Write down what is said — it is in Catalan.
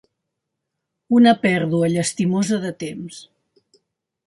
Una pèrdua llastimosa de temps.